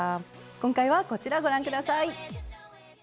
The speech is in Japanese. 今回はこちらご覧下さい！